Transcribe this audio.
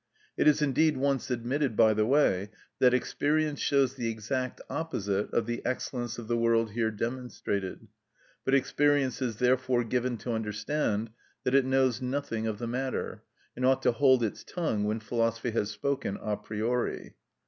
It is indeed once admitted, by the way, that experience shows the exact opposite of the excellence of the world here demonstrated; but experience is therefore given to understand that it knows nothing of the matter, and ought to hold its tongue when philosophy has spoken a priori.